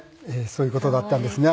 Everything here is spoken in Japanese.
そういう事があったんですね